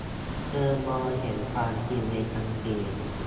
เธอมองเห็นความจริงในทันที